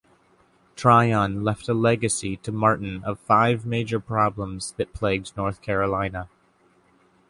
Tryon left a legacy to Martin of five major problems that plagued North Carolina.